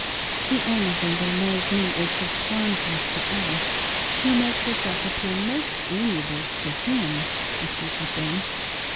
The only thing that annoys me is his fondness for Alice who makes herself appear most amiable to him, deceitful thing